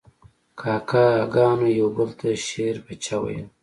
کاکه ګانو یو بل ته شیربچه ویل.